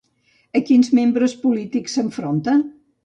A quins membres polítics s'enfronta?